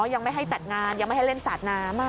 ยังไม่ให้จัดงานยังไม่ให้เล่นสาดน้ำ